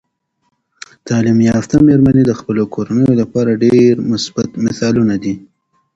تعلیم یافته میرمنې د خپلو کورنیو لپاره ډیر مثبت مثالونه وي.